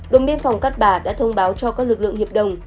đồng biên phòng cát bà đã thông báo cho các lực lượng hiệp đồng